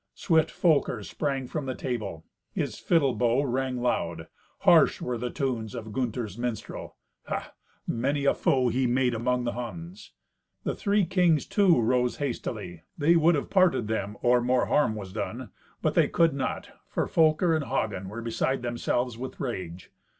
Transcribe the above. Swift Folker sprang from the table; his fiddle bow rang loud. Harsh were the tunes of Gunther's minstrel. Ha! many a foe he made among the Huns! The three kings, too, rose hastily. They would have parted them or more harm was done. But they could not, for Folker and Hagen were beside themselves with rage.